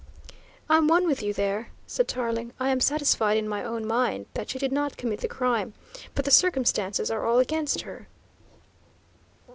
"I'm one with you there," said Tarling. "I am satisfied in my own mind that she did not commit the crime, but the circumstances are all against her."